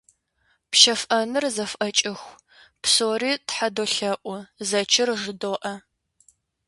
Пщэфӏэныр зэфӏэкӏыху, псори тхьэ долъэӏу, зэчыр жыдоӏэ.